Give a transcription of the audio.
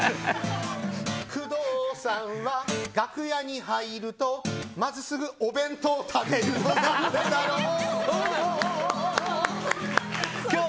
工藤さんは楽屋に入るとまずすぐ、お弁当食べるのなんでだろう。